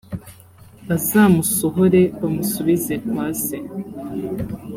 bazamusohore bamusubize kwa se,